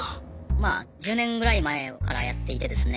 まあ１０年ぐらい前からやっていてですね